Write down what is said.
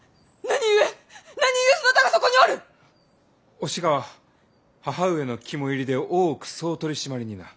お志賀は母上の肝煎りで大奥総取締にな。